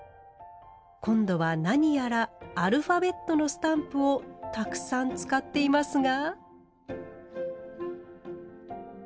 今度は何やらアルファベットのスタンプをたくさん使っていますが？